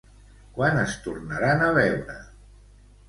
Quan es tornaran a veure?